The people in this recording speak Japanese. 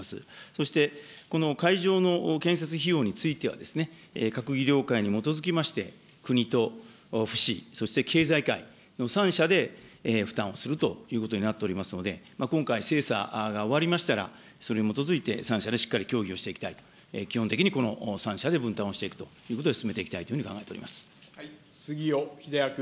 そして、この会場の建設費用については、閣議了解に基づきまして、国と府市、そして経済界の３者で、負担をするということになっておりますので、今回、精査が終わりましたら、それに基づいて、３者でしっかり協議をしていきたい、基本的に、この３者で分担をしていくということで進めていきたい杉尾秀哉君。